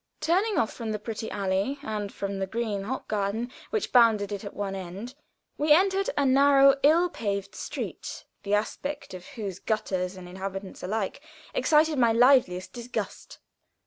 Turning off from the pretty allee, and from the green Hofgarten which bounded it at one end, we entered a narrow, ill paved street, the aspect of whose gutters and inhabitants alike excited my liveliest disgust.